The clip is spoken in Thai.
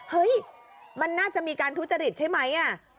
เฮ้ยมันน่าจะมีการทุจริตใช่ไหม